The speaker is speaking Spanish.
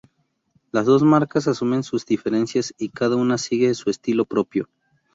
Las dos marcas asumen sus diferencias y cada una sigue su estilo propio.